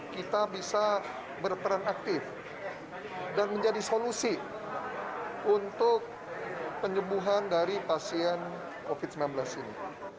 kita bisa berperan aktif dan menjadi solusi untuk penyembuhan dari pasien covid sembilan belas ini